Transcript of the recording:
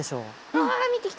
あ見てきた！